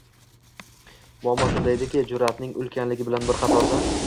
Muammo shunda ediki, jur’atning ulkanligi bilan bir qatorda